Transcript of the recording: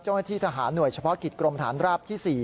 เจ้าหน้าที่ทหารหน่วยเฉพาะกิจกรมฐานราบที่๔